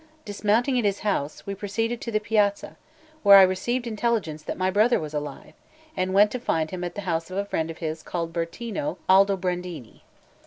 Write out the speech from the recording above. Dismounting at his house, we proceeded to the piazza, where I received intelligence that my brother was alive, and went to find him at the house of a friend of his called Bertino Aldobrandini.